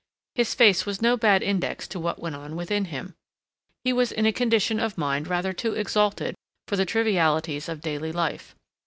His face was no bad index to what went on within him. He was in a condition of mind rather too exalted for the trivialities of daily life.